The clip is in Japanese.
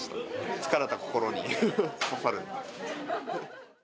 疲れた心に刺さる。